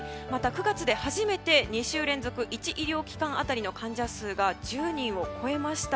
９月で初めて２週連続１医療機関当たりの患者数が１０人を超えました。